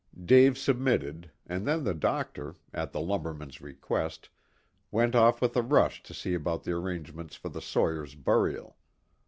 Dave submitted, and then the doctor, at the lumberman's request, went off with a rush to see about the arrangements for the sawyer's burial.